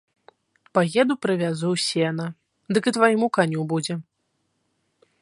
Паеду прывязу сена, дык і твайму каню будзе.